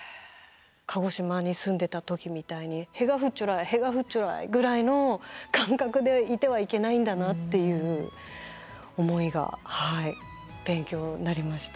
鹿児島に住んでた時みたいに「へがふっちょらいへがふっちょらい」ぐらいの感覚でいてはいけないんだなっていう思いが勉強になりました。